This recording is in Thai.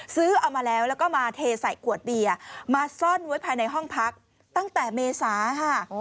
ซื้อเอามาแล้วแล้วก็มาเทใส่ขวดเบียร์มาซ่อนไว้ภายในห้องพักตั้งแต่เมษาค่ะ